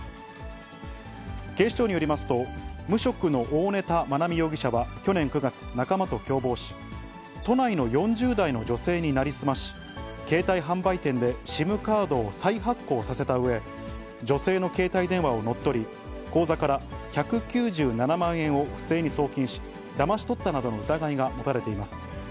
警視庁によりますと、無職の大根田愛美容疑者は去年９月、仲間と共謀し、都内の４０代の女性に成り済まし、携帯販売店でＳＩＭカードを再発行させたうえ、女性の携帯電話を乗っ取り、口座から１９７万円を不正に送金し、だまし取ったなどの疑いが持たれています。